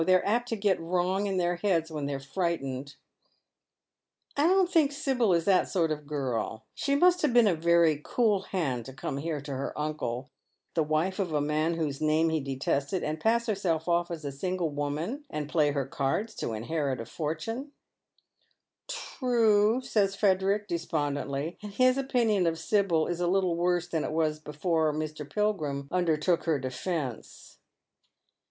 They're apt to get wrong in their heads when they're frightened." " I don't think Sibyl is that sort of girl ; she must have been a veiy cool hand to come here to her uncle — the ■wife of a man whose name he detested, and pass herself off as a single woman, and play her cards to inherit a fortune." ihmmitted for Tnat. 369 " True," says Frederick, despondently, and his opinion of Sibyl ia • little worse than it was before Mr. Pilgrim undertook her defence.